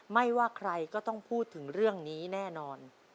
ไม่ว่าใครก็ต้องพูดถึงเรื่องนี้แน่นอน